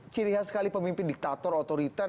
ciri khas sekali pemimpin diktator otoriter